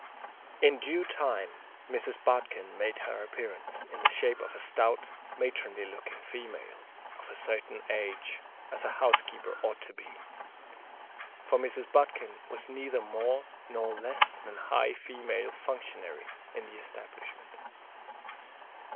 In due time Mrs. Bodkin made her appearance, in the shape of a stout, matronly looking female, "of a certain age," as a housekeeper ought to be;—for Mrs. Bodkin was neither more nor less than that high female functionary in the establishment.